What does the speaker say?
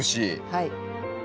はい。